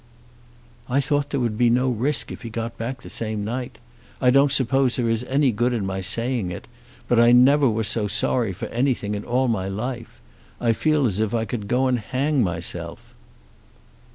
"I thought there would be no risk if he got back the same night. I don't suppose there is any good in my saying it, but I never was so sorry for anything in all my life. I feel as if I could go and hang myself."